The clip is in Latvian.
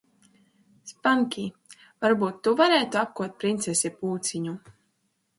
Spankij, varbūt tu varētu apkopt princesi Pūciņu?